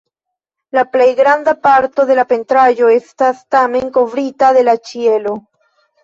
La plej granda parto de la pentraĵo estas tamen kovrita de la ĉielo.